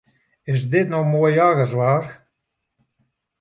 Is dit no moai jagerswaar?